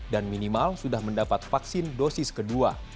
dan minimal sudah mendapat vaksin dosis kedua